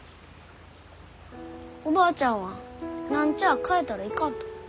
おばあちゃんは何ちゃあ変えたらいかんと。